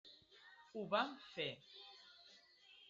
Ho vam fer.